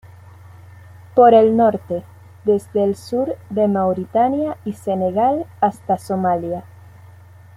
Por el norte, desde el sur de Mauritania y Senegal hasta Somalia.